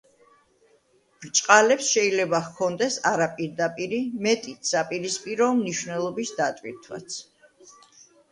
ბრჭყალებს შეიძლება ჰქონდეს არაპირდაპირი, მეტიც საპირისპირო, მნიშვნელობის დატვირთვაც.